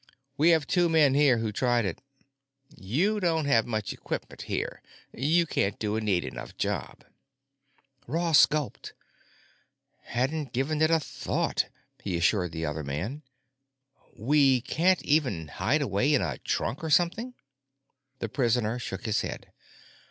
"We have two men here who tried it. You don't have much equipment here; you can't do a neat enough job." Ross gulped. "Hadn't given it a thought," he assured the other man. "You can't even hide away in a trunk or something?" The prisoner shook his head.